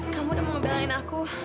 kamu udah mau belain aku